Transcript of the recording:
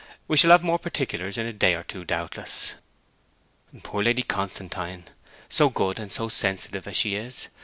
We shall have more particulars in a day or two, doubtless.' 'Poor Lady Constantine, so good and so sensitive as she is!